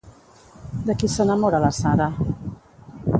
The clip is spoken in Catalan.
De qui s'enamora la Sarah?